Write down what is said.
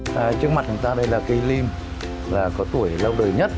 trước mặt chúng ta đây là cây lim có tuổi lâu đời nhất